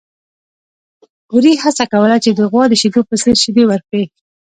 وري هڅه کوله چې د غوا د شیدو په څېر شیدې ورکړي.